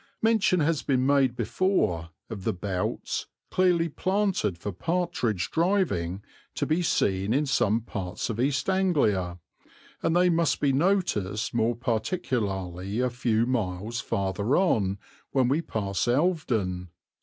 Mention has been made before of the belts, clearly planted for partridge driving, to be seen in some parts of East Anglia, and they must be noticed more particularly a few miles farther on, when we pass Elvedon.